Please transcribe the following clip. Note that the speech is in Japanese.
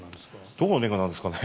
どこのレンガなんですかね。